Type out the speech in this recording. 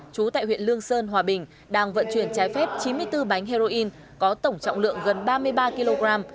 chú tại huyện lương sơn hòa bình đang vận chuyển trái phép chín mươi bốn bánh heroin có tổng trọng lượng gần ba mươi ba kg